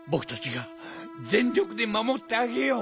がぜんりょくでまもってあげよう！